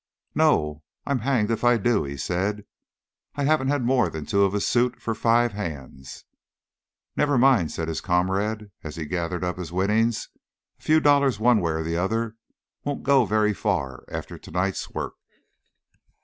"No, I'm hanged if I do," he said; "I haven't had more than two of a suit for five hands." "Never mind," said his comrade, as he gathered up his winnings; "a few dollars one way or the other won't go very far after to night's work."